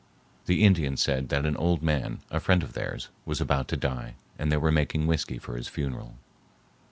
The Indians said that an old man, a friend of theirs, was about to die and they were making whiskey for his funeral.